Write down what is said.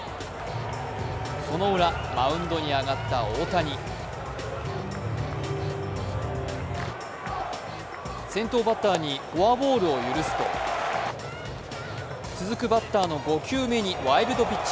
そのウラ、マウンドに上がった大谷先頭バッターにフォアボールを許すと続くバッターの５球目にワイルドピッチ。